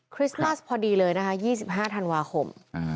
คริสต์มัสพอดีเลยนะคะ๒๕ธันวาคม